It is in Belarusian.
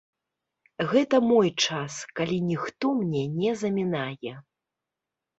Гэта мой час, калі ніхто мне не замінае.